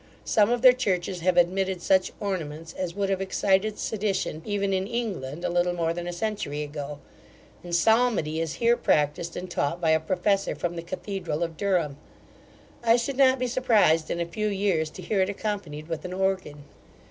Some of their churches have admitted such ornaments as would have excited sedition, even in England, a little more than a century ago; and Psalmody is here practised and taught by a professor from the cathedral of Durham: I should not be surprised, in a few years, to hear it accompanied with an organ.